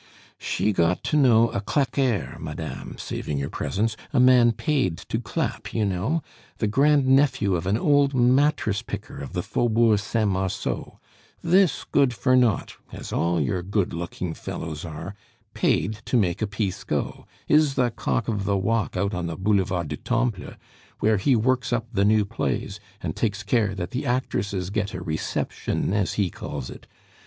"She got to know a claqueur, madame, saving your presence, a man paid to clap, you know, the grand nephew of an old mattress picker of the Faubourg Saint Marceau. This good for naught, as all your good looking fellows are, paid to make a piece go, is the cock of the walk out on the Boulevard du Temple, where he works up the new plays, and takes care that the actresses get a reception, as he calls it.